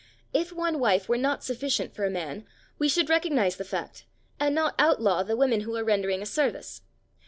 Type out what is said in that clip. If one wife were not sufficient for a man, we should recognise the fact and not outlaw the women who are rendering a service.